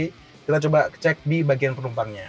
kita coba cek di bagian penumpangnya